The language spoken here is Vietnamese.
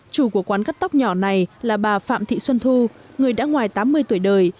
chủ của quán cắt tóc nhỏ này là bà phạm thị xuân thu người đã ngoài tám mươi tuổi đời